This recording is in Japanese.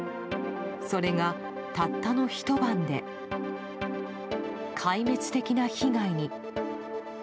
それがたったのひと晩で壊滅的な被害に。